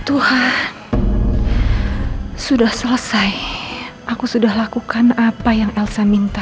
tuhan sudah selesai aku sudah lakukan apa yang elsa minta